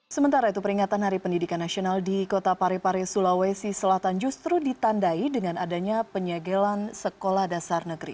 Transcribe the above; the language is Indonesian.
sementara itu peringatan hari pendidikan nasional di kota parepare sulawesi selatan justru ditandai dengan adanya penyegelan sekolah dasar negeri